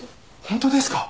本当ですか？